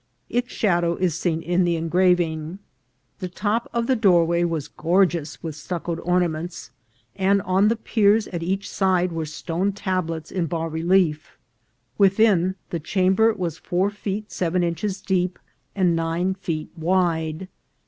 Its shadow is seen in the engraving. The top of the doorway was gorgeous with stuccoed ornaments, and on the piers at each side were stone tablets in bas re lief. Within, the chamber was four feet seven inches deep and nine feet wide.